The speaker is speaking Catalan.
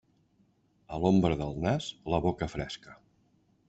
A l'ombra del nas, la boca fresca.